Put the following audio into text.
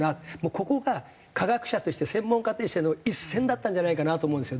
ここが科学者として専門家としての一線だったんじゃないかなと思うんですよ。